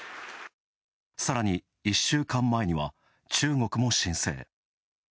さらに１週間前には中国も申請。